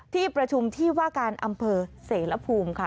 ที่ประชุมที่ว่าการอำเภอเสรภูมิค่ะ